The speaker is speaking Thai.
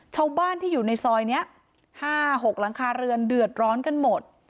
ชาวบ้านที่อยู่ในซอยนี้๕๖หลังคาเรือนเดือดร้อนกันหมด